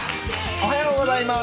おはようございます。